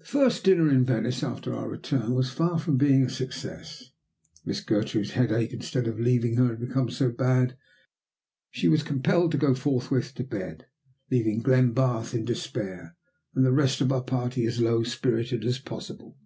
The first dinner in Venice after our return was far from being a success. Miss Gertrude's headache, instead of leaving her, had become so bad that she was compelled to go forthwith to bed, leaving Glenbarth in despair, and the rest of our party as low spirited as possible.